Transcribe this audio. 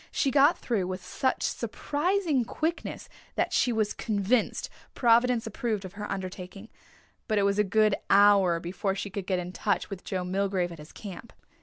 She got through with such surprising quickness that she was convinced Providence approved of her undertaking, but it was a good hour before she could get in touch with Joe Milgrave at his camp.